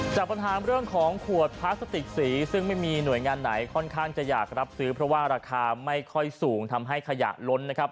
จากปัญหาเรื่องของขวดพลาสติกสีซึ่งไม่มีหน่วยงานไหนค่อนข้างจะอยากรับซื้อเพราะว่าราคาไม่ค่อยสูงทำให้ขยะล้นนะครับ